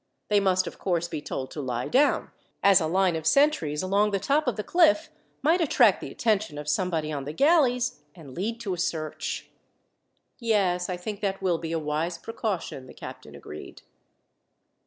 They must, of course, be told to lie down, as a line of sentries along the top of the cliff might attract the attention of somebody on the galleys, and lead to a search." "Yes, I think that will be a wise precaution," the captain agreed.